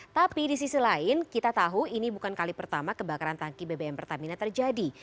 tapi di sisi lain kita tahu ini bukan kali pertama kebakaran tangki bbm pertamina terjadi